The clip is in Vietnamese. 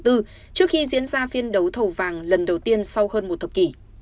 trước khi diễn ra phiên đấu thầu vàng lần đầu tiên sau hơn một thập kỷ